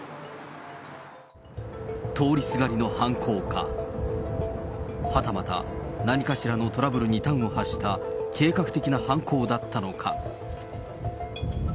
通りすがりの犯行か、はたまた何かしらのトラブルに端を発した計画的な犯行だったのか。